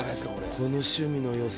この趣味のよさ。